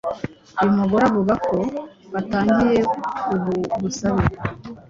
Uyu mugore avuga ko batangiye ubu busabe